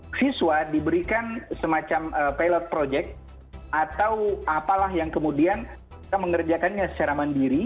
siswa diberikan semacam pilot project atau apalah yang kemudian kita mengerjakannya secara mandiri